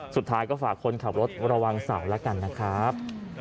สุดท้ายก็ฝากคนขับรถระวังเสาแล้วกันนะครับ